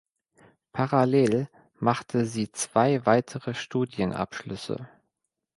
Parallel machte sie zwei weitere Studienabschlüsse.